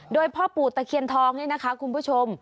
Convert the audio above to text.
โดยพ่อปู่ตะเคียนทองนี่นะคะคุณผู้ชม